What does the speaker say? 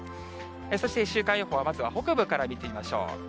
そして、週間予報、まずは北部から見てみましょう。